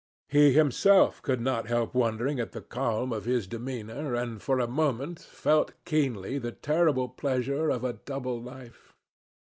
He himself could not help wondering at the calm of his demeanour, and for a moment felt keenly the terrible pleasure of a double life.